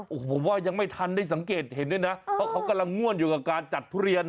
โอ้โหผมว่ายังไม่ทันได้สังเกตเห็นด้วยนะเพราะเขากำลังง่วนอยู่กับการจัดทุเรียน